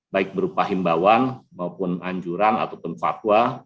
baik berupa himbawan maupun anjuran ataupun fatwa